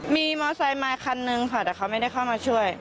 มีมอไซค์มาคันนึงค่ะแต่เขาไม่ได้เข้ามาช่วย